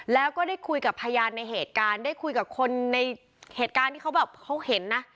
แล้วก็ได้คุยกับพยานในเหตุการณ์ได้คุยกับคนในเหตุการณ์ที่เขาแบบเขาเห็นนะ